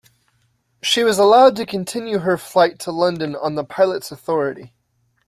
She was allowed to continue her flight to London on the pilot's authority.